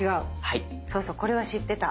そうそうこれは知ってた。